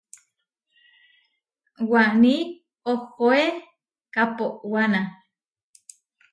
Waní ohoé kaʼpowána.